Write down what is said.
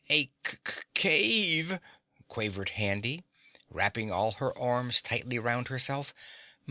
"A c c ave," quavered Handy, wrapping all her arms tightly round herself.